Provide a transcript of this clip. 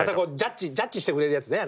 ジャッジしてくれるやつね。